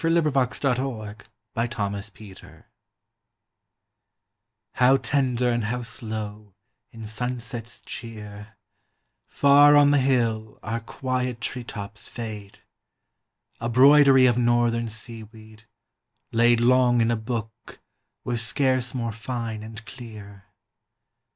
Winter Boughs HOW tender and how slow, in sunset's cheer, Far on the hill, our quiet treetops fade! A broidery of northern seaweed, laid Long in a book, were scarce more fine and clear.